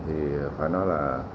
thì phải nói là